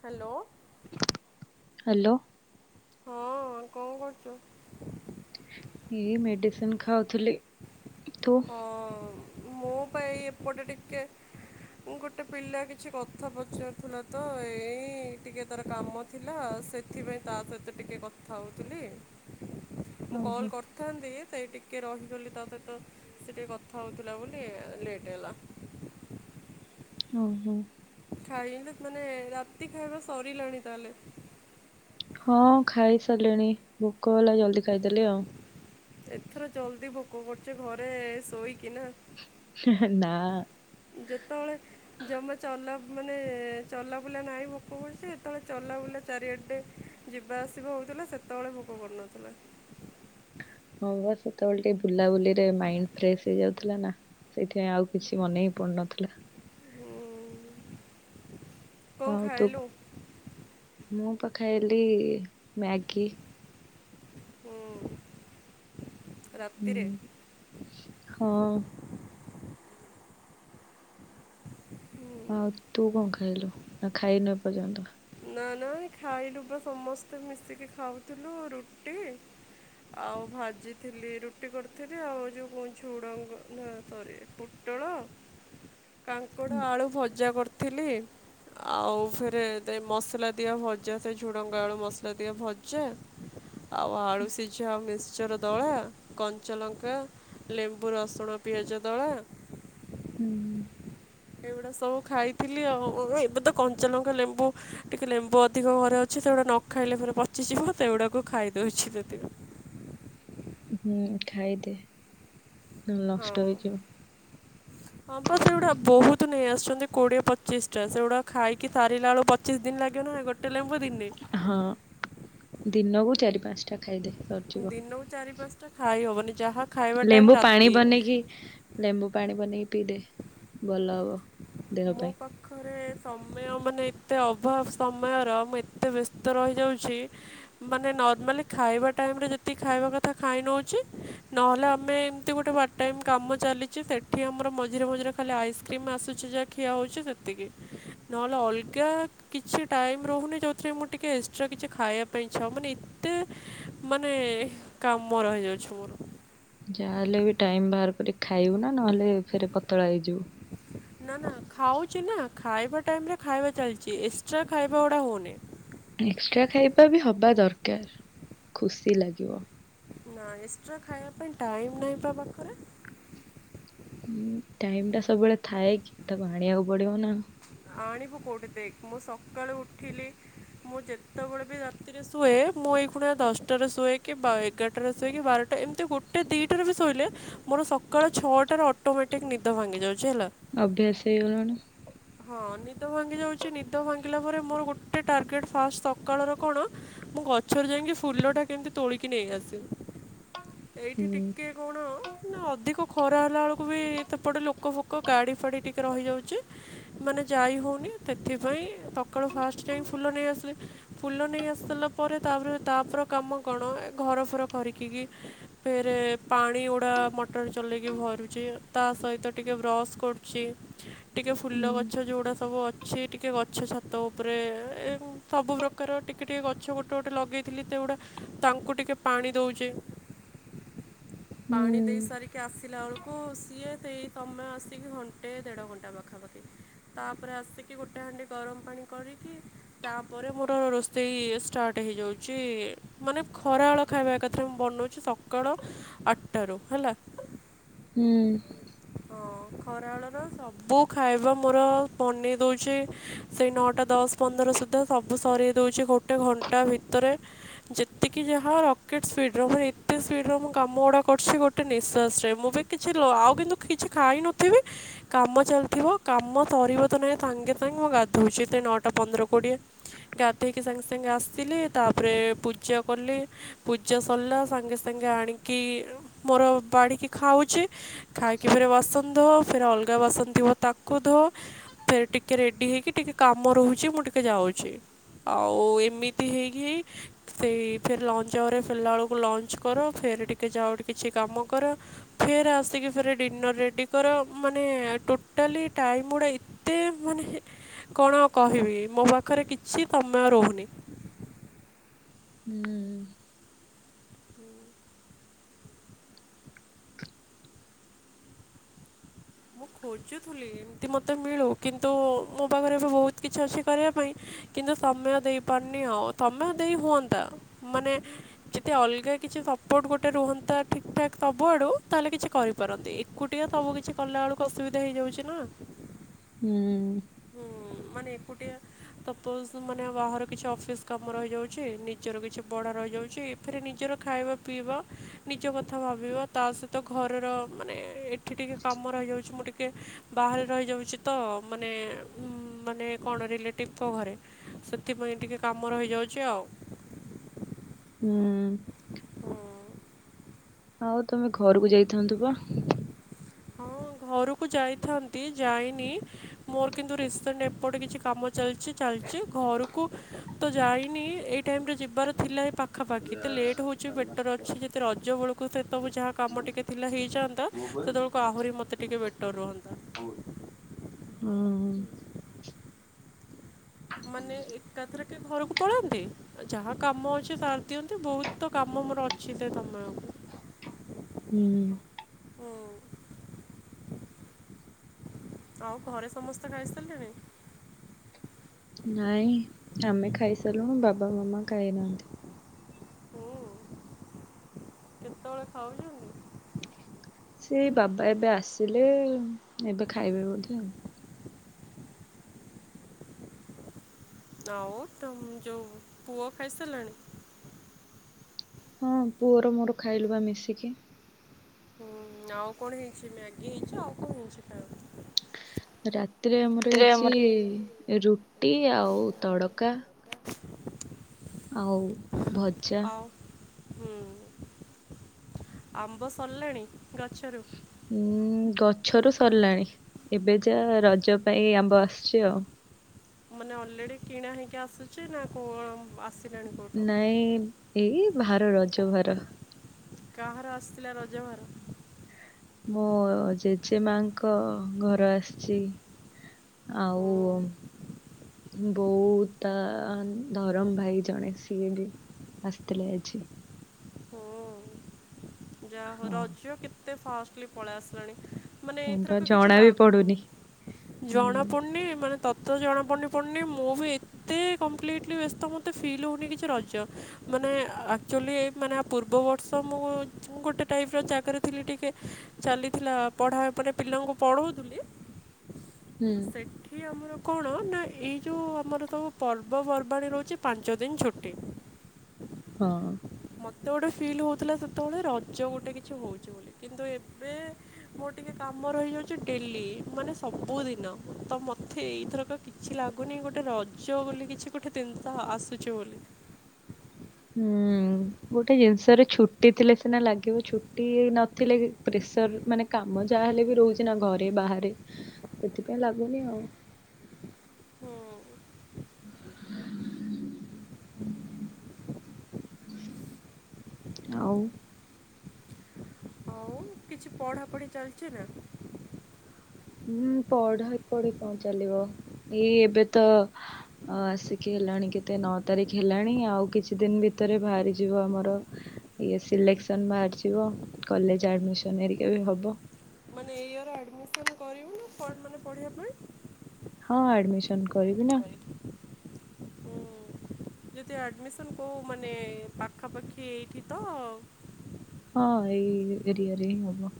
Hello. Hello. ହଁ କଣ କରୁଛୁ? ଇ ଇ ମେଡ଼ିସିନ ଖାଉଥିଲି। ତୁ ହଁ ଅ ଅ ମୁଁ ପା ଏଇ ଏପଟେ ଟିକେ ଉଁ ଗୋଟେ ପିଲା କିଛି କଥା ପଚାରୁଥୁଲା ତ ଏଇ ଟିକେ ତାର କାମ- ଥିଲା ସେଥିପାଇଁ ତା ସହିତ ଟିକେ କଥା ହଉଥିଲି। [unintelligible] ମୁଁ କଲ୍ କରଥାନ୍ତି ସେଇ ଟିକେ ରହି ତା ସହିତ ସେ ଟିକେ କଥା ହଉଥିଲା ବୋଲି ଏ ଲେଟେ ହେଲା। ଓହୋ। ଖାଇନେ ମାନେ ରାତି ଖାଇବା ସରିଲାଣି ତାହାଲେ। ହଁ ଖାଇସାରଲିଣି ଭୋକ ହେଲା ଜଲଦି ଖାଇଦେଲି ଆଉ। ଏଥର ଜଲଦି ଭୋକ କରୁଚି ଘରେ ଏ ଏ ଶୋଇକି ନା। ହେଁ ହେଁ ନା। ଯେତବଳେ ଜମା ଚଲା ମାନେ ଏ ଏ ଚଲାବୁଲା ନାଇଁ ଭୋକ କରୁଚି ଯେତବଳେ ଚଲାବୁଲା ଚାରିଆଡ଼େ ଯିବା ଆସିବା ହଉଥୁଲା ସେତବଳେ ଭୋକ କରୁନଥିଲା। ହଁ ବା ସେତବଳେ ଟିକେ ବୁଲାବୁଲିରେ ମାଇଣ୍ଡ ଫ୍ରେଶ ହେଇଯାଉଥିଲା ନା। ସେଇଥିପାଇଁ ଆଉ କିଛି ମନେ ହିଁ ପଡୁନଥିଲା। ଉଁ, କ'ଣ ହଉ ତୁ ଖାଇଲୁ ମୁଁ ତ ଖାଇଲି ଇ ଇ ମ୍ୟାଗି। ହୁଁ ରାତିରେ? ହୁଁ, ହଁ। ଉଁ, ଆଉ ତୁ କଣ ଖାଇଲୁ ନା ଖାଇନୁ ଏ ପର୍ଯ୍ୟନ୍ତ? ନା ନା ଏ ଖାଇଲୁ ବା ସମସ୍ତେ ମିଶିକି ଖାଉଥୁଲୁ ରୁଟି ଆଉ ଭାଜିଥିଲି ରୁଟି କରିଥିଲି ଆଉ ଯୋଉ କହୁ ଝୁଡଙ୍ଗ ନା ସରି ପୋ [unintelligible] କାଙ୍କଡ଼ ହୁଁ ଆଳୁ ଭଜା କରଥିଲି ଆଉ ଫେରେ ତେ ମସଲା ଦିଆ ଭଜା ସେ ଝୁଡ଼ଙ୍ଗ ଆଳୁ ମସଲା ଦିଆ ଭଜା ଆଉ ଆଳୁ ସିଝା ମିକ୍ସଚର ଦଳା କଞ୍ଚା ଲଙ୍କା ଲେମ୍ବୁ, ରସୁଣ, ପିଆଜ ଦଳା ହୁଁ ହୁଁ। ଏଇଗୁଡା ସବୁ ଖାଇଥିଲି ଆଉ ଏବେ ତ କଞ୍ଚାଲଙ୍କା ଲେମ୍ବୁ ଟିକେ ଲେମ୍ବୁ ଅଧିକ ଘରେ ଅଛି ସେଗୁଡା ନ ଖାଇଲେ ଫେରେ ପଚିଯିବ ସେଗୁଡ଼ାକୁ ଖାଇଦଉଚି ପ୍ରତିଦିନ। ହୁଁ ଖାଇଦେ ହଁ ନଷ୍ଟ ହେଇଯିବ। ହଁ ପା ସେଗୁଡ଼ା ବହୁତୁ ନେଇ ଆସଚନ୍ତି। କୋଡ଼ିଏ ପଚିଶ ଟା ସେଗୁଡ଼ା ଖାଇକି ସାରିଲା ବଳୁ ପଚିଶ ଦିନ ଲାଗିବ ନା ନାଇଁ ଗୋଟେ ଲେମ୍ବୁ ଦିନେ ହଁ ଦିନକୁ ଚାରି ପାଁଶଟା ଖାଇଦେ। ସରିଯିବ ଦିନକୁ ଚାରି ପାଁଶଟା ଖାଇ ହବନି ଯାହା ଖାଇବା ଟାଇମ୍ ଲେମ୍ବୁ ପାଣି ରାତି ବନେଇକି ଲେମ୍ବୁ ପାଣି ବନେଇକି ପିଇଦେ ଭଲ ହବ। ଦେହ ପାଇଁ ଘରେ ସମୟ ମାନେ ଏତେ ଅଭାବ ସମୟର ମୁଁ ଏତେ ବ୍ୟସ୍ତ ରହିଯାଉଛି ମାନେ ନର୍ମାଲି ଖାଇବା ଟାଇମ୍ ରେ ଯେତିକି ଖାଇବା କଥା ଖାଇ ନଉଛି। ନହେଲେ ଆମେ ଏମିତି ଗୋଟେ ପାର୍ଟ ଟାଇମ୍ କାମ ଚାଲିଚି, ସେଠି ଆମର ମଝିରେ ମଝିରେ ଖାଲି ଆଇସ୍କ୍ରିମ୍ ଆସୁଛି ଯା ଖିଆ ହଉଛି ସେତିକି। ନହେଲେ ଅଲଗା କିଛି ଟାଇମ୍ ରହୁନି, ଯୋଉଥିରେ ମୁଁ ଟିକେ ଏକ୍ସଟ୍ରା କିଛି ଖାଇବା ପାଇଁ ଇଚ୍ଛା ହବ ମାନେ ଏ [inaudible] ମାନେ କାମ ମୋ ରହିଯାଉଛି ମୋର। ଯାହାହେଲେ ବି ଟାଇମ୍ ବାହାର କରି ଖାଇବୁ ନା, ନହେଲେ ଫେରେ ପତଳା ହେଇଯିବୁ। ନା ନା ଖାଉଛି ନା ଖାଇବା ଟାଇମ୍ ରେ ଖାଇବା ଚାଲିଚି। ଏକ୍ସଟ୍ରା ଖାଇବା ଗୁଡା ହଉନି। ଏକ୍ସଟ୍ରା ଖାଇବା ବି ହବା ଦରକାର ଖୁସି ଲାଗିବ। ନା ଏକ୍ସଟ୍ରା ଖାଇବା ପାଇଁ ଟାଇମ୍ ନାହିଁ ପା ପାଖରେ। ହୁଁ, ଟାଇମ୍ ଟା ସବୁବେଳେ ଥାଏ କି, ତାକୁ ଆଣିବାକୁ ପଡିବ ନା। ଆଣିବୁ କୋଉଠି? ଦେଖ ମୁଁ ସକାଳୁ ଉଠିଲି, ମୁଁ ଯେତେବେଳେ ବି ରାତି ରେ ଶୁଏ, ମୁଁ ଏଇଖୁଣା ଦଶଟାରେ ଶୁଏ କି ବା-ଏଗାରଟା ରେ ଶୁଏ କି, ବାରଟା ଏମିତି ଗୋଟେ ଦିଇଟାରେ ବି ଶୋଇଲେ ମୋର ସକାଳ ଛଅଟାରେ ଅଟୋମେଟିକ୍ ନିଦ ଭାଙ୍ଗି ଯାଉଛି ହେଲା। ଅଭ୍ୟାସ ହେଇଗଲାଣି। ହଁ ନିଦ ଭାଙ୍ଗି ଯାଉଛି, ନିଦ ଭାଙ୍ଗିଲା ପରେ ମୋର ଗୋଟେ ଟାର୍ଗେଟ୍ ଫାଷ୍ଟ ସକାଳର କଣ ମୁଁ ଗଛରେ ଯାଇକି ଫୁଲ ଟା କେମିତି ତୋଳିକି ନେଇ ଆସିବି। ଏଇଠି ହୁଁ ଟିକେ କଣ [unintelligible] ନା ଅଧିକ ଖରା ହେଲା ବେଳକୁ ବି ତ ଏପଟେ ଲୋକ ଫୋକ ଗାଡ଼ି ଫାଡ଼ି ଟିକେ ରହିଯାଉଛି। ମାନେ ଯାଇ ହଉନି ସେଥିପାଇଁ ସକାଳୁ ଫାଷ୍ଟ ଯାଇ ଫୁଲ ନେଇ ଆସିଲେ। ଫୁଲ ନେଇ ଆସିିଲା ପରେ ତାପରେ ତାପର କାମ କଣ ଏ ଘର ଫର ଖରିକି କିି ଫେରେ ପାଣି ଗୁଡ଼ା ମଟର ଚଲେଇକି ଭରୁଛି, ତା ସହିତ ଟିକେ ବ୍ରସ୍ କରୁଚି। [inaudible] ଟିକେ ଫୁଲ ହୁଁ ଗ ଛ, ଯୋଉଡା ସବୁ ଅଛି, ଏ ଟିକେ ଗଛ ଛାତ ଉପରେ ଏ ସବୁ ପ୍ରକାର ଟିକେ ଟିକେ ଗଛ ଗୋଟେ ଗୋଟେ ଲଗେଇ ଥିଲି ତ ଏଗୁଡ଼ା ତାଙ୍କୁ ଟିକେ ପାଣି ଦଉଚେ। [inaudible] ହୁଁ ପାଣି ଦେଇ ସାରି କି ଆସିଲା ବେଳକୁ ସିଏ ସେଇ ସମୟ ଆସିକି ଘଣ୍ଟେ ଦେଢ଼ ଘଣ୍ଟା ପାଖାପାଖି। ତାପରେ ଆସିକି ଗୋଟେ ହାଣ୍ଡି ଗରମ ପାଣି କରିକି ତାପରେ ମୋର ରୋଷେଇ ଷ୍ଟାର୍ଟ ହେଇଯାଉଚି। ମାନେ ଖରାବେଳ ଖାଇବା ଏକାଥରେ ମୁଁ ବନଉଛି ସକାଳ ଆଟାରୁ ହେଲା। ହୁଁ। ହଁ ଖରାବେଳର ସବୁ ଖାଇବା ମୋର ବନେଇ ଦଉଛି ସେଇ ନଅଟା ଦଶ ପନ୍ଦର ସୁଦ୍ଧା ସବୁ ସରେଇ ଦଉଛି ଗୋଟେ ଘଣ୍ଟା ଭିତରେ। ଯେତିକି ଯାହା ରକେଟ୍ ସ୍ପିଡ୍ ର ମୁଁ ଏତେ ସ୍ପିଡ୍ ର ମୁଁ କାମ ଗୁଡା କରୁଛି ଗୋ ଟେ ନିଶ୍ଵାସ ରେ ମୁଁ ବି କିଛି ଲ-ଆଉ କିନ୍ତୁ କିଛି ଖାଇ ନଥିବି କାମ ଚାଲିଥିବ। କାମ ସରିବ ତ ନାହିଁ ସାଙ୍ଗେ ସାଙ୍ଗେ ମୁଁ ଗାଧଉଛି ଏତେ ନଅଟା ପନ୍ଦର କୋଡିଏ। ଗାଧେଇକି ସାଙ୍ଗେ ସାଙ୍ଗେ ଆସିଲି, ତାପରେ ପୂଜା କଲି। ପୂଜା ସରିଲା ସାଙ୍ଗେ ସାଙ୍ଗେ ଆଣିକି ମୋର ବାଢ଼ିକି ଖାଉଛି, ଖାଇକି ଫେରେ ବାସନ ଧୁଅ, ଫେରେ ଅଲଗା ବାସନ ଥିବ ତାକୁ ଧୁଅ। ଫେରେ ଟିକେ ରେଡି ହେଇକି, ଟିକେ କାମ ରହୁଛି ମୁଁ ଟିକେ ଯାଉଛି। ଆଉ ଏମିତି ହେଇକି ହେଇ ସେଇ ଫେର ଲଞ୍ଚ ଆୱାର୍ ରେ ଫେରିଲା ବେଳକୁ ଲଞ୍ଚ କର। ଫେର ଟିକେ ଯାଅ କିଛି କାମ କର। ଫେରେ ଆସିକି ଫେରେ ଡିନର୍ ରେଡି କର, ମାନେ ଟୋଟ ଟୋଟାଲି ଟାଇମ ଗୁଡ଼ା ଏତେ ମାନେ। କଣ କହିବି ମୋ ପାଖରେ କିଛି ସମୟ ରହୁନି। ହୁଁ। ମୁଁ ଖୋଜୁଥିଲି ଏମିତି ମୋତେ ମିଳୁ କିନ୍ତୁ ମୋ ପାଖରେ ଏବେ ବହୁତ କିଛି ଅଛି କରିବା ପାଇଁ। କିନ୍ତୁ ସମୟ ଦେଇ ପାରୁନି ଆଉ ସମୟ ଦେଇ ହୁଅନ୍ତା ମାନେ। ଯଦି ଅଲଗା କିଛି ସପୋର୍ଟ ଗୋଟେ ରୁହନ୍ତା ଠିକ ଠାକ ସବୁ ଆଡୁ ତାହେଲେ କିଛି କରି ପାରନ୍ତି ଏକୁଟିଆ ସବୁ କିଛି କଲା ବେଳକୁ ଅସୁବିଧା ହେଇଯାଉଛି ନା। ହୁଁ। ହୁଁ ମାନେ ଏକୁଟିଆ। ସପୋଜ୍ ମାନେ ବାହାର କିଛି ଅଫିସ କାମ ରହିଯାଉଛି ନିଜର କିଛି ପଢା ରହିଯାଉଛି। ସେଥିରେ ନିଜର ଖାଇବା ପିଇବା ନିଜ କଥା ଭାବିବା ତା ସହିତ ଘରର ମାନେ ଏ ଟିକେ କାମ ରହିଯାଉଛି ମୁଁ ଟିକେ ବାହାରେ ରହିଯାଉଚି ତ ମାନେ ଉଁ ମାନେ କଣ ରିଲେଟିଭଙ୍କ ଘରେ। ସେଥିପାଇଁ ଟିକେ କାମ ରହିଯାଉଛି ଆଉ। ହୁଁ। ହୁଁ ଆଉ ତମ ଘରକୁ ଯାଇଥାନ୍ତୁ ବା। ହଁ ଘରକୁ ଯାଇଥାନ୍ତି ଯାଇନି। ମୋର କିନ୍ତୁ ରେସେଣ୍ଟ ଏପଟେ କିଛି କାମ ଚାଲିଛି ଚାଲିଛି ଘରକୁ ତ ଯାଇନି ଏ ଟାଇମ ରେ ଯିବାର ଥିଲା ଏଇ ପାଖାପାଖି ଏତେ ଲେଟ୍ ହଉଛି ବେଟର ଅଛି ଯେତେ ରଜ ବୁଳୁକୁ ସେ ସବୁ ଯାହା କାମ ଟିକେ ଥିଲା ହେଇଯାଆନ୍ତା ସେତେବେଳକୁ ଆହୁରି ମତେ ଟିକେ ବେଟର ରୁହନ୍ତା। ହୁଁ। ମାନେ ଏକାଥରକେ ଘରକୁ ପଳାନ୍ତି। ଯାହା କାମ ଅଛି ସାର ଦିଅନ୍ତି ବହୁତ ତ କାମ ମୋର ଅଛି ସେ ସମୟକୁ। ହୁଁ। ହୁଁ। ଆଉ ଘରେ ସମସ୍ତେ ଖାଇସାରିଲେଣି। ନାଇଁ ଆମେ ଖାଇସାରିଲୁଣୁ ବାବା ମାମା ଖାଇନାହାନ୍ତି। ତଳେ ଖାଉଛ ସେ ବାପା ଏବେ ଆସିଲେ ଏବେ ଖାଇବେ ବୋଧେ ଆଉ। ଆଉ ତମ ଯୋଉ ପୁଅ ଖାଇସାରିଲାଣି। ହଁ ପୁଅର ମୋର ଖାଇଲୁ ବା ମିଶିକି। ହୁଁ ଆଉ କଣ ହେଇଛି ମ୍ୟାଗି ହେଇଛି ଆଉ କଣ ହେଇଛି ଖା ରାତିରେ ଆମର ହେଇଚି ରୁଟି ଆଉ ତଡକା। [inaudible] ଆଉ ଭଜା। ଆଉ ହୁଁ ଆମ୍ବ ସଲାଣି ଗଛରୁ? ଉଁ ଗଛରୁ ସରିଲାଣି ଏବେ ଯା ରଜ ପାଇଁ ଆମ୍ବ ଆସିଛି ଆଉ। ମାନେ ଅଲରେଡି କିଣା ହେଇକି ଆସୁଛି ନା କଣ ଆସିଲାଣି କେଉଁଠୁ ନାଇଁ ଏଇ ଭାର ରଜ ଭାର। କାହାର ଆସିଥିଲା ରଜ ଭାର? ମୋ ଜେଜେ ମାଙ୍କ ଘର ଆସିଛି। ଆଉ ହୁଁ ବଉ ତା ଧରମ ଭାଇ ଜଣେ ସିଏ ବି। ଆସିଥିଲେ ଆଜି। ହୁଁ ଯା ହଉ ହଁ। ରଜ କେତେ ଫାଷ୍ଟଲି ପଳେଇ ଆସିଲାଣି। ମାନେ ହଁ ବା ଏଥରକ କିଛି ଜଣା ବି ଲାଗୁ ପଡୁନି। ଜଣା ହୁଁ। ପଡୁନି ମାନେ ତ ତ ଜଣାପଡ଼ନି ପଡୁନି ମୁଁ ବି ଏତେ କମ୍ପ୍ଲିଟିଲି ବ୍ୟସ୍ତ ମତେ ଫିଲ୍ ହଉନି କିଛି ରଜ ମାନେ ଆକ୍ଚୁଆଲି ମାନେ ଆ ପୂର୍ବବର୍ଷ ମୁଁ ଗୋଟେ ଟାଇପ୍ ର ଜାଗାରେ ଥିଲି ଟିକେ ଚାଲିଥିଲା ପଢା ଉପରେ ପିଲାଙ୍କୁ ପଢୋଉଥିଲି। ହୁଁ। ଏଠି ଆମର କଣ ନା ଏଇ ଯୋଉ ଆମର ସଵୁ ପର୍ବପର୍ବାଣି ରହୁଚି ପାଞ୍ଚ ଦିନି ଛୁଟି। ହଁ। ମତେ ଗୋଟେ ଫିଲ୍ ହଉଥିଲା ସେତେବେଳେ ରଜ ଗୋଟେ କିଛି ହଉଛି ବୋଲି କିନ୍ତୁ ଏବେ ମୋର ଟିକେ କାମ ରହିଯାଉଛି ଡେଲି ମାନେ ସବୁଦିନ ତ ମତେ ଏଇଥରକ କିଛି ଲାଗୁନି ଗୋଟେ ରଜ ବୋଲି କିଛି ଗୋଟେ ଦିନିଷ ଆସୁଛି ବୋଲି। ହୁଁ। ଗୋଟେ ଜିନିଷରେ ଛୁଟି ଥିଲେ ସିନା ଲାଗିବ ଛୁଟି ନଥିଲେ ପ୍ରେସର ମାନେ କାମ ଯାହାହେଲେ ବି ରହୁଛି ନା ଘରେ ବାହାରେ ସେଥିପାଇଁ ଲାଗୁନି ଆଉ। ହୁଁ। [inaudible] ଆଉ ହଉଚି। କିଛି ପଢ଼ାପଢି ଚାଲିଚି ନା? ହୁଁ ପଢା ପଢି କଣ ଚାଲିବ ଏଇ ଏବେ ତ ଅ ଆସିକି ହେଲାଣି କେତେ ନଅ ତାରିଖ ହେଲାଣି ଆଉ କିଛି ଦିନ ଭିତରେ ବାହାରିଯିବ ଆମର ଇଏ ସିଲେକ୍ସନ୍ ବାହାରିଯିବ କଲେଜ୍ ଆଡମିସନ ହେରିକା ବି ହବ। ଏଇୟର ଆଡିମିସନ୍ କରିବୁନା ମାନେ ପଢିବା ପାଇଁ? ହଁ ଆଡିମିସନ୍ କରିବି ନା। ହୁଁ ଯଦି ଆଡମିସନ କହୁ ମାନେ ପାଖାପାଖି ଏଇଠି ତ। ହଁ ଏଇ ଏରିଆ ରେ ହିଁ ହବ।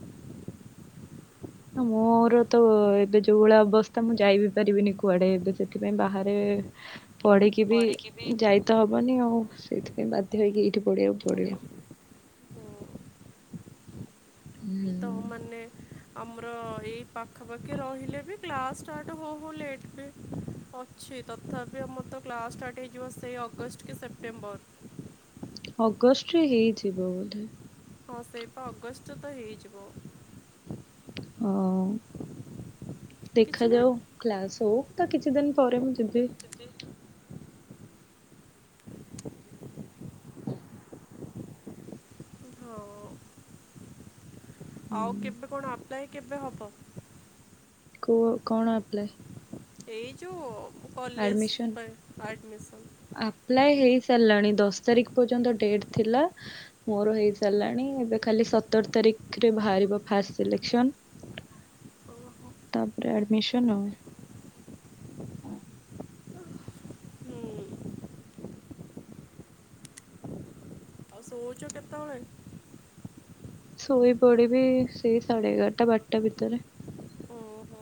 ମୋର ତ ଏବେ ଯୋଉ ଭଳିଆ ଅବସ୍ଥା ମୁଁ ଯାଇ ବିି ପାରିବିନି କୁଆଡେ ଏବେ ସେଥିପାଇଁ ବାହାରେ [inaudible] ପଢିକି ବି ଯାଇ ତ ହବନି ଆଉ ସେଇଥିପାଇଁ ବାଧ୍ୟ ହେଇକି ଏଇଠି ଏଠି ପଢିବାକୁ ପଡିବ। ପଢ଼ିବାକୁ ହୁଁ ହୁଁ ତ ମାନେ ଆମର ଏଇ ପାଖାପାଖି ରହିଲେ ବି କ୍ଲାସ୍ ଷ୍ଟାର୍ଟ ହଉ ହଉ ଲେଟ୍ ବି ଅଛି ତଥାପି ଆମର ତ କ୍ଲା ଷ୍ଟାର୍ଟ ହେଇଯିବ ସେଇ ଅଗଷ୍ଟ କି ସେପ୍ଟେମ୍ବର। ଅଗଷ୍ଟରେ ହେଇଯିବ ବୋଧେ। ହଁ ସେଇପା ଅଗଷ୍ଟ ତ ହେଇଯିବ। ହୋଉ କିଛି ଦେଖାଯାଉ। ନାହିଁ କ୍ଲାସ ହଉ ତା କିଛି ଦିନି ପରେ ମୁଁ ଯିବି। ଦିଦି ହୁଁ। ହଁ ଆଉ ହୁଁ, କେବେ କଣ ଆପ୍ଲାଇ କେବେ ହବ? କୋଉ ଆଉ କଣ ଆପ୍ଲାଇ? ଏଇ ଯୋଉ କଲେଜ ଆଡମିସନ ପାଇଁ ଆଡ଼ିମିସନ୍। ଆପ୍ଲାଏ ହେଇ ସାରିଲାଣି ଦଶ ତାରିଖ ପର୍ଯ୍ୟନ୍ତ ଡେଟେ ଥିଲା। ମୋର ହେଇ ସାରିଲାଣି ଏବେ ଖାଲି ସତର ତାରିଖରେ ବାହାରିବ ଫାଷ୍ଟ ସିଲେକ୍ସନ୍। ଓହୋ ତାପରେ ଆଡିମିଶନ୍ ଆଉ। ହୁଁ ଶୋଉଚ କେତେବେୁଳେ? ଶୋଇ ପଡିବି ସେଇ ସାଢେ ଏଗାରଟା ବାରଟା ଭିତରେ। ଓହୋ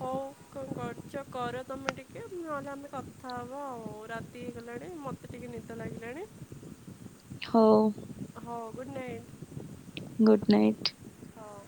ହଉ କଣ କରୁଛ କର ତମେ ଟିକେ ନହେଲେ ଆମେ କଥା ହବ ଆଉ ରାତି ହେଇଗଲାଣି ମତେ ଟିକେ ନିଦ ଲାଗିଲାଣି। ହଉ। ହଁ ଗୁଡ଼୍ ନାଇଟ। Good night. ହଉ